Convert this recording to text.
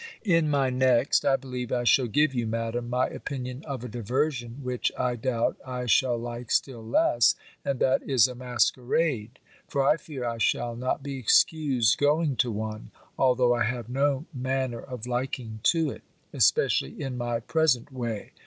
In my next, I believe, I shall give you, Madam, my opinion of a diversion, which, I doubt, I shall like still less, and that is a masquerade; for I fear I shall not be excused going to one, although I have no manner of liking to it, especially in my present way.